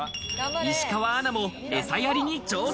石川アナもエサやりに挑戦。